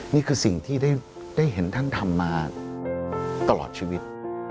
นี่คือสิ่งที่ได้เห็นท่านทำมาตลอดชีวิต